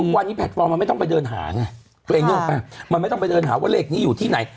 ทุกวันนี้แพลตฟอร์มมันไม่ต้องไปเดินหาไงมันไม่ต้องไปเดินหาว่าเลขนี้อยู่ที่ไหน